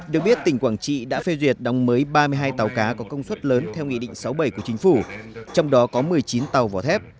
được biết tỉnh quảng trị đã phê duyệt đóng mới ba mươi hai tàu cá có công suất lớn theo nghị định sáu mươi bảy của chính phủ trong đó có một mươi chín tàu vỏ thép